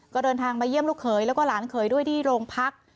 ก็เดินทางมาเยี่ยมลูกเขยแล้วก็หลานเขยด้วยที่โรงพัก